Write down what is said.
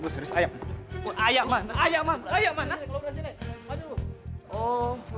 serius ayah mana